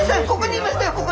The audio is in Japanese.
ここにいましたよ